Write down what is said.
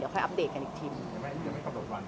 เดี๋ยวไม่กระโปรดวันนึงใช่ไหมครับ